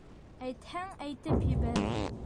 — Әйтһәң, әйтеп ебәр.